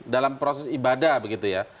dalam proses ibadah begitu ya